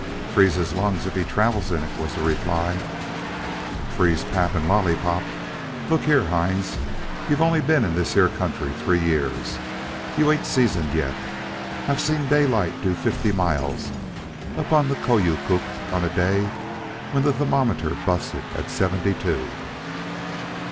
"Freeze his lungs if he travels in it," was the reply. "Freeze pap and lollypop! Look here, Hines, you only ben in this here country three years. You ain't seasoned yet. I've seen Daylight do fifty miles up on the Koyokuk on a day when the thermometer busted at seventy two."